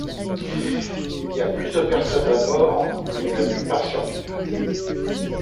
Il y a plus de personnes à bord mais la plupart survivent.